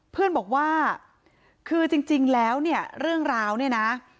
เพื่อนบอกว่าคือจริงแล้วเนี่ยเรื่องราวเนี่ยนะ